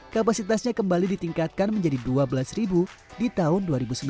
kapasitasnya kembali ditingkatkan menjadi dua belas ribu di tahun dua ribu sembilan belas